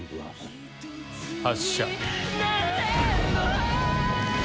発射。